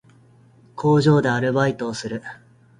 工場でアルバイトをする